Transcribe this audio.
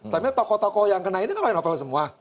setelah ini toko toko yang kena ini kan novel semua